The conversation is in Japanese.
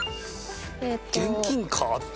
「現金か」って。